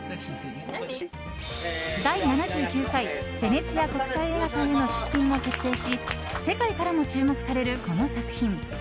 第７９回ヴェネチア国際映画祭への出品も決定し世界からも注目される、この作品。